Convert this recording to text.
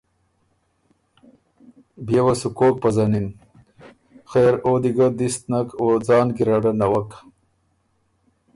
بيې وه سُو کوک پزنِن؟ خېر او دی ګه دِست نک او ځان ګیرډه نوَک۔